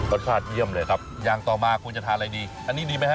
รสชาติเยี่ยมเลยครับอย่างต่อมาคุณจะทานอะไรดีอันนี้ดีไหมฮ